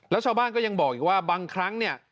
แล้วชาวบ้านก็ยังบอกอีกว่าบางครั้งเนี่ย